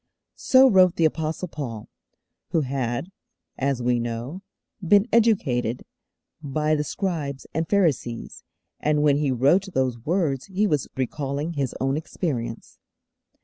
So wrote the Apostle Paul, who had, as we know, been educated by the Scribes and Pharisees, and when he wrote those words he was recalling his own experience.